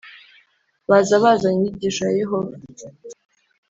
Baza bazanye inyigisho ya Yehova